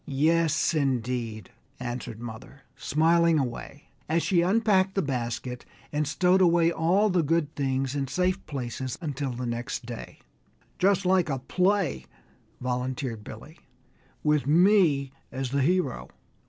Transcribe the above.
"Yes, indeed," answered mother, smiling away, as she unpacked the basket and stowed away all the good things in safe places until the next day. "Just like a play," volunteered Billy, "with me as the hero!"